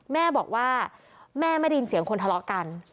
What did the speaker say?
แม่บอกว่าแม่ไม่ได้ยินเสียงคนทะเลาะกัน